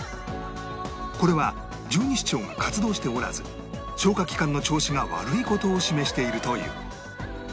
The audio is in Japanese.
これは十二指腸が活動しておらず消化器官の調子が悪い事を示しているという